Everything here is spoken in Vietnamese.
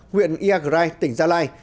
huyện iagrai tỉnh gia lai